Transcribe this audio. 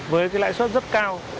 với lãi suất rất cao